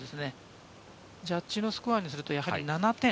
ジャッジのスコアにすると７点。